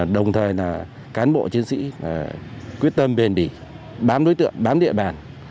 đồng thời là cán bộ chiến sĩ quyết tâm bền bỉ bám đối tượng bám địa bàn